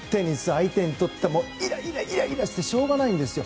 相手にとってはイライラしてしょうがないんですよ。